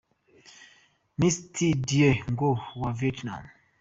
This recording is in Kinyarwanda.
Miss Thi Dieu ngoc wa Vietnam.